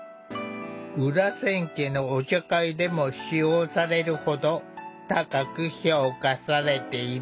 裏千家のお茶会でも使用されるほど高く評価されている。